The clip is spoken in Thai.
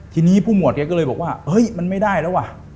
ทีนี้ผู้หมวดแกก็เลยบอกว่าเฮ้ยมันไม่ได้แล้วว่ะ